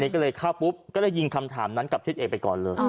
ก็เลยยิงคำถามนั้นกับทิศเอกไปก่อนเลย